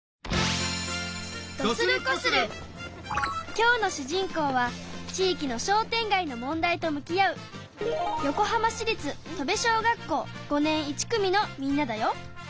今日の主人公は地いきの商店街の問題と向き合う横浜市立戸部小学校５年１組のみんなだよ。